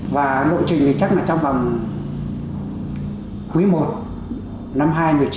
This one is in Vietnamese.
và nội trình thì chắc là trong vòng quý i năm hai nghìn một mươi chín